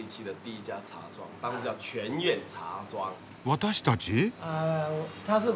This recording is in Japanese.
「私たち」？